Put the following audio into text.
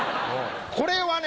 これはね